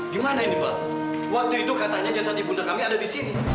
gimana ini pak waktu itu katanya jasad ibunda kami ada di sini